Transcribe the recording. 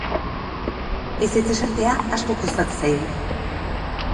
Ezetz esatea asko kostatzen zaigu.